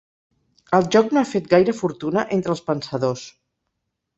El joc no ha fet gaire fortuna entre els pensadors.